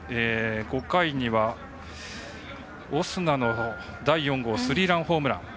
５回にはオスナの第４号スリーランホームラン。